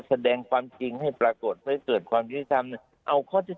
แสดงความจริงให้ปรากฏพิเศษความิริษรามเนี่ยเอาข้อจุด